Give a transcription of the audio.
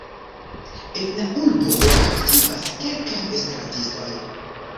En la urbo aktivas kelkaj esperantistoj.